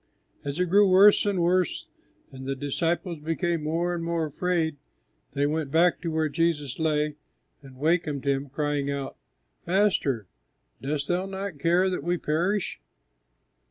As it grew worse and worse and the disciples became more than ever afraid, they went back to where Jesus lay and wakened Him, crying out, "Master, dost Thou not care that we perish?"